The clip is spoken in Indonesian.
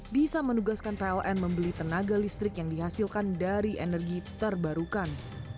bisa menugaskan pln membeli tenaga listrik yang dihasilkan dari energi terbarukan